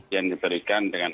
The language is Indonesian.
yang diberikan dengan